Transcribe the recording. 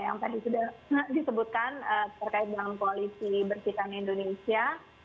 yang tadi sudah disebutkan terkait dengan polisi bersihkan indonesia